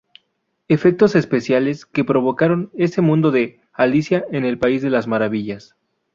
Efectos especiales que provocaron ese mundo de "Alicia en el país de las Maravillas".